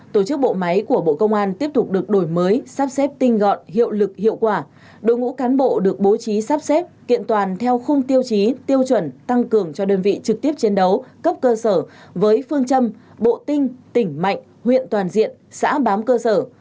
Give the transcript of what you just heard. tổ chức bộ máy của bộ công an tiếp tục được đổi mới sắp xếp tinh gọn hiệu lực hiệu quả đội ngũ cán bộ được bố trí sắp xếp kiện toàn theo khung tiêu chí tiêu chuẩn tăng cường cho đơn vị trực tiếp chiến đấu cấp cơ sở với phương châm bộ tinh tỉnh mạnh huyện toàn diện xã bám cơ sở